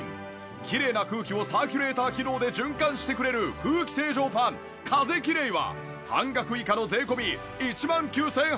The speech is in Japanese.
きれいな空気をサーキュレーター機能で循環してくれる空気清浄ファン風きれいは半額以下の税込１万９８００円！